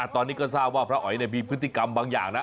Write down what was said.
ตอนนี้ก็ทราบว่าพระอ๋อยมีพฤติกรรมบางอย่างนะ